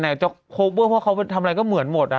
เออไหนเจ้าโฟเบอร์เพราะเขาทำอะไรก็เหมือนหมดอะ